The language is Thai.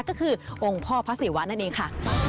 ก็คือองค์พ่อพระศิวะนั่นเองค่ะ